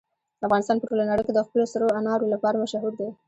افغانستان په ټوله نړۍ کې د خپلو سرو انارو لپاره مشهور دی.